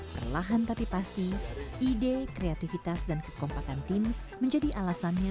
perlahan tapi pasti ide kreatifitas dan kekompakan tim menjadi alasannya